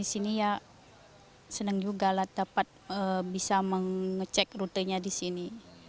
di sini ya senang juga lah dapat bisa mengecek rutenya di sini